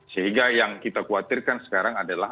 sehingga yang kita khawatirkan sekarang adalah